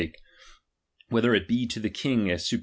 H7 sake, whether it be to the king as sit chap.